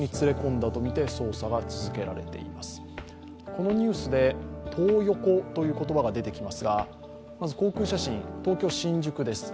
このニュースでトー横という言葉が出てきますがまず航空写真、東京・新宿です。